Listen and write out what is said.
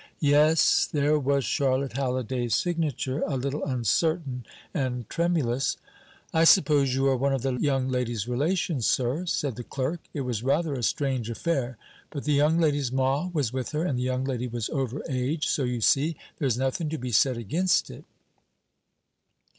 Yes, there was Charlotte Halliday's signature, a little uncertain and tremulous. "I suppose you are one of the young lady's relations, sir," said the clerk. "It was rather a strange affair; but the young lady's ma was with her; and the young lady was over age, so, you see, there's nothing to be said against it."